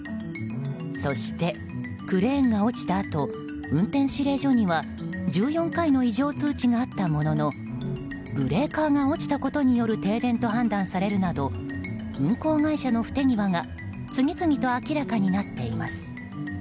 そしてクレーンが落ちたあと運転指令所には１４回の異常通知があったもののブレーカーが落ちたことによる停電と判断されるなど運行会社の不手際が次々と明らかになっています。